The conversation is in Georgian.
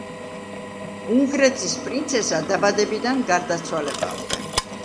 უნგრეთის პრინცესა დაბადებიდან გარდაცვალებამდე.